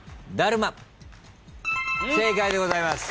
正解でございます。